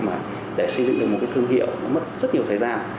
mà để xây dựng được một cái thương hiệu mất rất nhiều thời gian